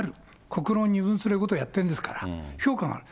国論を二分することをやってるんですから、評価がある。